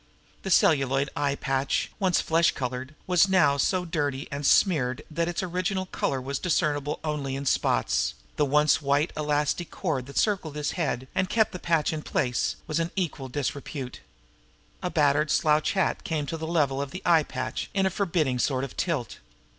The celluloid eye patch, once flesh colored, was now so dirty and smeared that its original color was discernible only in spots, and the once white elastic cord that circled his head and kept the patch in place was in equal disrepute. A battered slouch hat came to the level of the eye patch in a forbidding sort of tilt.